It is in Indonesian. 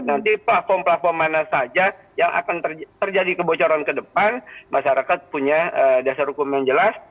nanti platform platform mana saja yang akan terjadi kebocoran ke depan masyarakat punya dasar hukum yang jelas